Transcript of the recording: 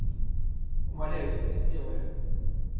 Умоляю тебя, сделай это!